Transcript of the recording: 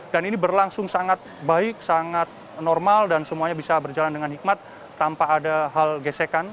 dan ini berlangsung sangat baik sangat normal dan semuanya bisa berjalan dengan hikmat tanpa ada hal gesekan